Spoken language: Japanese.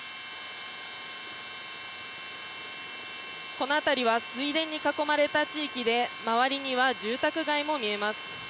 この辺りは水田に囲まれた地域で周りには住宅街も見えます。